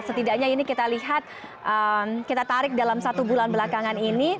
setidaknya ini kita lihat kita tarik dalam satu bulan belakangan ini